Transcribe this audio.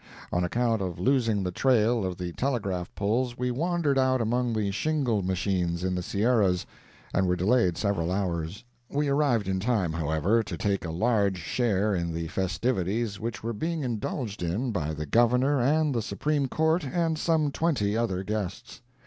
On account of losing the trail of the telegraph poles, we wandered out among the shingle machines in the Sierras, and were delayed several hours. We arrived in time, however, to take a large share in the festivities which were being indulged in by the Governor and the Supreme Court and some twenty other guests.